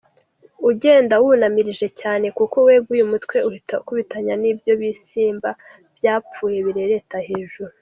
Ugenda wunamirije cyane kuko weguye umutwe uhita ukubitana n’ibyo bisimba byapfuye birereta hejuru.